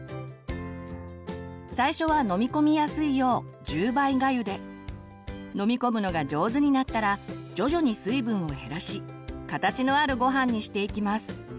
最初は飲み込みやすいよう１０倍がゆで飲み込むのが上手になったら徐々に水分を減らし形のあるごはんにしていきます。